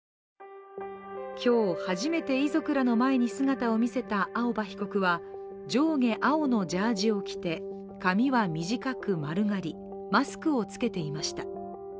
今日、初めて遺族らの前に姿を見せた青葉被告は上下青のジャージを着て、髪は短く丸刈りマスクを着けていました。